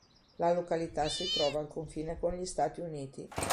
La località si trova al confine con gli Stati Uniti.